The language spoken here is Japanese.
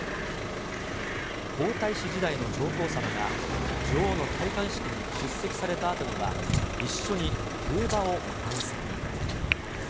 皇太子時代の上皇さまが女王の戴冠式に出席されたあとには、一緒に競馬を観戦。